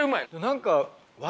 何か。